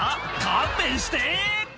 勘弁して！